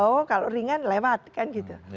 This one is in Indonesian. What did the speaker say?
oh kalau ringan lewat kan gitu